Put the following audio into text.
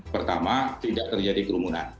pertama tidak terjadi kerumunan